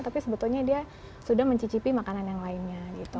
tapi sebetulnya dia sudah mencicipi makanan yang lainnya gitu